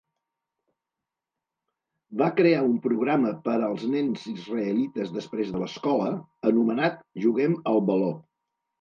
Va crear un programa per als nens israelites després de l'escola, anomenat "Juguem al baló!"